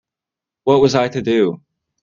What was I to do?